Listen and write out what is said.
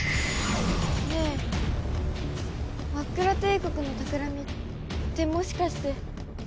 ねぇマックラ帝国のたくらみってもしかして。